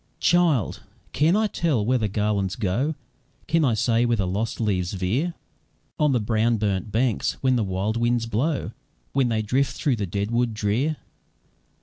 "Child! can I tell where the garlands go? Can I say where the lost leaves veer On the brown burnt banks, when the wild winds blow, When they drift through the dead wood drear?